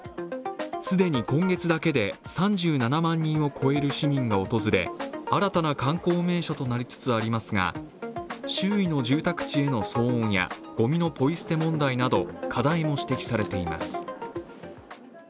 既に今月だけで３７万人を超える市民が訪れ新たな観光名所となりつつありますが周囲の住宅地への騒音やごみのポイ捨て問題など、課題も指摘されています。